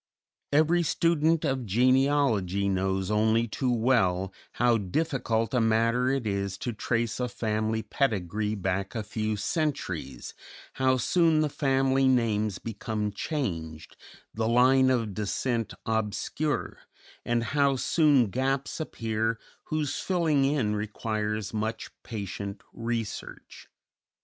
Every student of genealogy knows only too well how difficult a matter it is to trace a family pedigree back a few centuries, how soon the family names become changed, the line of descent obscure, and how soon gaps appear whose filling in requires much patient research.